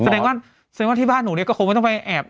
แสดงว่าแสดงว่าที่บ้านหนูเนี่ยก็คงไม่ต้องไปแอบ